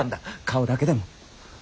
顔だけでも。